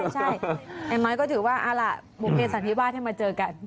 ใช่ไอ้ไม้ก็ถือว่าเอาล่ะบุเภสันนิวาสให้มาเจอกัน